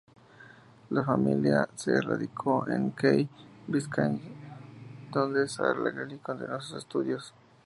La familia se radicó en Key Biscayne, donde Saralegui continuó sus estudios.